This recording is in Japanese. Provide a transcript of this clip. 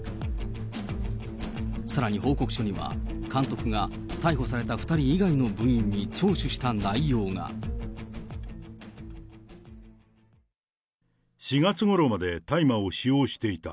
さらに報告書には、監督が逮捕された２人以外の部員に聴取した内４月ごろまで大麻を使用していた。